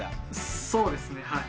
そうですねはい。